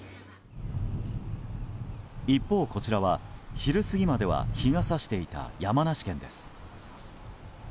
一方こちらは、昼過ぎまでは日が差していた山梨県です。